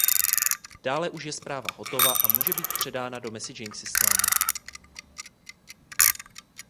Dále už je zpráva hotova a může být předána messaging systému.